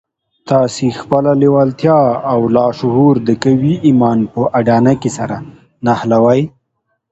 تاسې خپله لېوالتیا او لاشعور د قوي ايمان په اډانه کې سره نښلوئ.